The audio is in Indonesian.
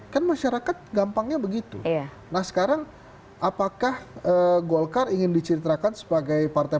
kan masyarakat gampangnya begitu nah sekarang apakah golkar ingin diceritakan sebagai partai